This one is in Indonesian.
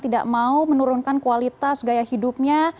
tidak mau menurunkan kualitas gaya hidupnya